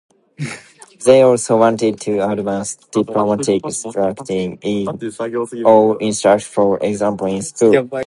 They also wanted to advance democratic structures in all institutions, for example in school.